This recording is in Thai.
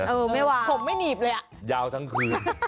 เออไม่วางผมไม่หนีบเลยอ่ะยาวทั้งคืน